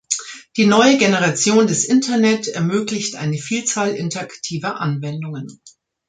Die neue Generation des Internet ermöglicht eine Vielzahl interaktiver Anwendungen.